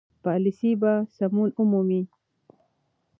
پالیسي به سمون ومومي.